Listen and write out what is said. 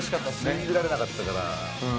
信じられなかったから。